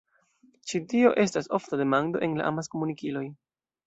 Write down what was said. Ĉi tio estas ofta demando en la amaskomunikiloj.